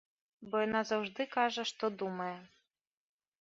Бо яна заўжды кажа, што думае.